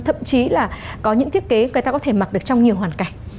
thậm chí là có những thiết kế người ta có thể mặc được trong nhiều hoàn cảnh